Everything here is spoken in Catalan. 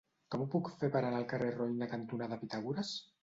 Com ho puc fer per anar al carrer Roine cantonada Pitàgores?